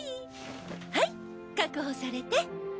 はい確保されて。